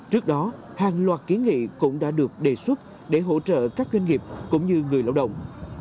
trước đó hàng loạt ký nghị cũng đã được đề xuất để hỗ trợ các doanh nghiệp cũng như người lao động